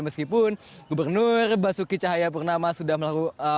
meskipun gubernur basuki cahaya purnama sudah melakukan